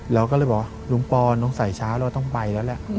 แล้วก็เลยบอกลุงปอลน้องสายเช้าเราต้องไปแล้วแหละ